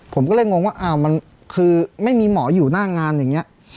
ผมก็เลยงงว่าอ้าวมันคือไม่มีหมออยู่หน้างานอย่างนี้